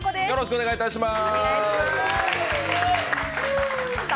よろしくお願いします。